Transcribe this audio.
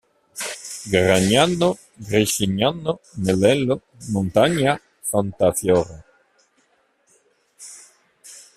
Gragnano, Gricignano, Melello, Montagna, Santa Fiora.